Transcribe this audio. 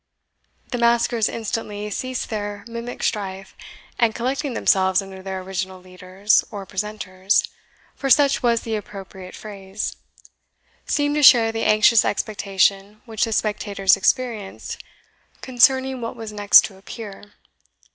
The maskers instantly ceased their mimic strife, and collecting themselves under their original leaders, or presenters, for such was the appropriate phrase, seemed to share the anxious expectation which the spectators experienced concerning what was next to appear.